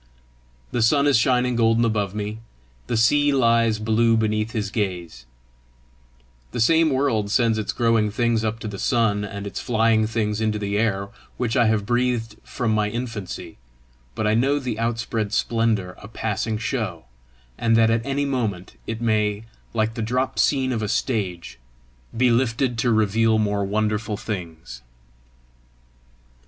The sun is shining golden above me; the sea lies blue beneath his gaze; the same world sends its growing things up to the sun, and its flying things into the air which I have breathed from my infancy; but I know the outspread splendour a passing show, and that at any moment it may, like the drop scene of a stage, be lifted to reveal more wonderful things.